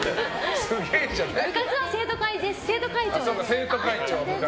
部活は生徒会長です。